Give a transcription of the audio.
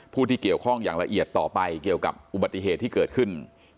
ผู้ที่เกี่ยวข้องอย่างละเอียดต่อไปเกี่ยวกับอุบัติเหตุที่เกิดขึ้น